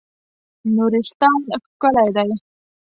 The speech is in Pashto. نورستان ښکلی دی.